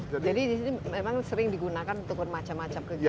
jadi disini memang sering digunakan untuk macam macam kegiatan